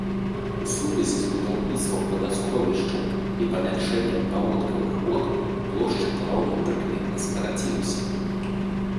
У сувязі з будаўніцтвам вадасховішчаў і памяншэннем паводкавых вод плошчы плаўняў прыкметна скарацілася.